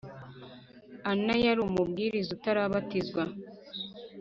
anna yari umubwiriza utarabatizwa